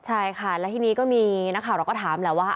ใช่ค่ะแล้วทีนี้ก็มีนักข่าวเราก็ถามแหละว่า